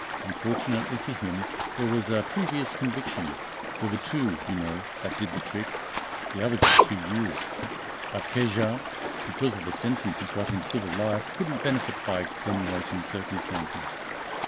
Unfortunately for him, there was a 'previous conviction.' There were two, you know, that did the trick the other got two years. But Cajard, [note 1] because of the sentence he got in civil life couldn't benefit by extenuating circumstances.